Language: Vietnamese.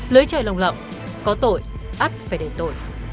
lưới trời lồng lậu có tội ấp phải đẩy tội